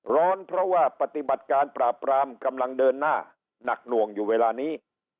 ร้อนเพราะว่าปฏิบัติการปราบปรามกำลังเดินหน้าหนักหน่วงอยู่เวลานี้